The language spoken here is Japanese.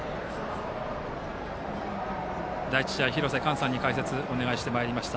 第１試合、廣瀬寛さんに解説をお願いしてまいりました。